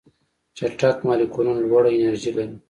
چټک مالیکولونه لوړه انرژي لري.